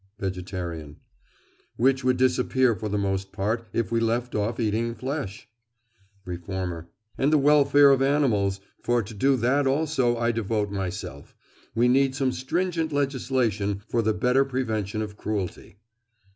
VEGETARIAN: Which would disappear for the most part if we left off eating flesh. REFORMER: And the welfare of animals—for to that also I devote myself. We need some stringent legislation for the better prevention of cruelty.